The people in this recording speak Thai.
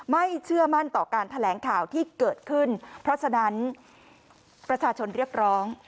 เชื่อมั่นต่อการแถลงข่าวที่เกิดขึ้นเพราะฉะนั้นประชาชนเรียกร้อง